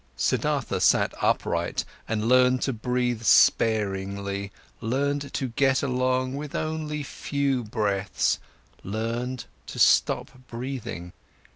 Siddhartha sat upright and learned to breathe sparingly, learned to get along with only few breathes, learned to stop breathing.